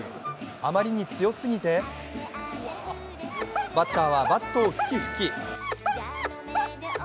あまりに強過ぎてバッターはバットをふきふき。